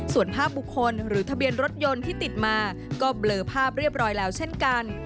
ส่วนภาพบุคคลหรือทะเบียนรถยนต์ที่ติดมาก็เบลอภาพเรียบร้อยแล้วเช่นกัน